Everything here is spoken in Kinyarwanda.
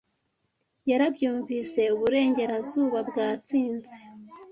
'Yarabyumvise, Uburengerazuba bwatsinze,